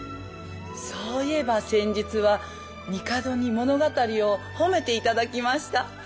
そういえば先日は帝に物語を褒めて頂きました。